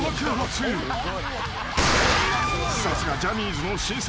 ［さすがジャニーズの新星］